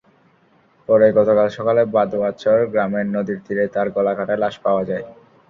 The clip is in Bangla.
পরে গতকাল সকালে বাদুয়ারচর গ্রামের নদীর তীরে তাঁর গলাকাটা লাশ পাওয়া যায়।